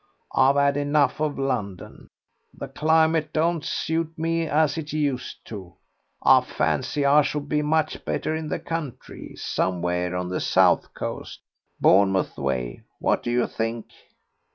I've had enough of London, the climate don't suit me as it used to. I fancy I should be much better in the country, somewhere on the South Coast. Bournemouth way, what do you think?"